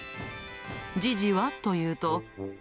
ジジはというと。